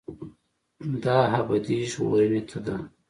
دا ابدي ژغورنې ته ده.